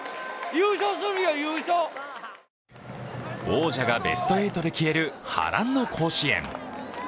王者がベスト８で消える波乱の甲子園。